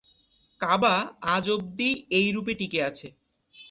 কাবা আজ অবধি এই রূপে টিকে আছে।